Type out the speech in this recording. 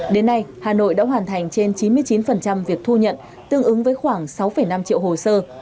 đến nay hà nội đã hoàn thành trên chín mươi chín việc thu nhận tương ứng với khoảng sáu năm triệu hồ sơ